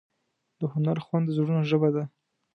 د هنر خوند د زړونو ژبه ده.